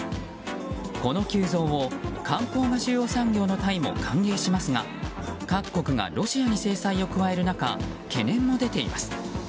この急増を観光が主要産業のタイも歓迎しますが各国がロシアに制裁を加える中懸念も出ています。